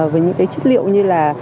với những chất liệu như là